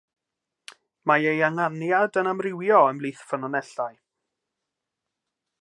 Mae ei ynganiad yn amrywio ymhlith ffynonellau.